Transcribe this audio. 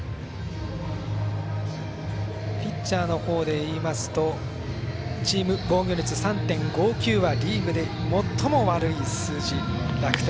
ピッチャーの方でいいますと、チーム防御率３．５９はリーグで最も悪い数字、楽天。